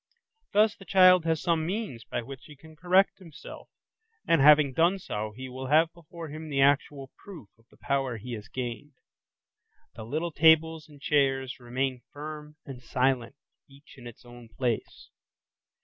Thus the child has some means by which he can correct himself, and having done so he will have before him the actual proof of the power he has gained: the little tables and chairs remain firm and silent each in its own place.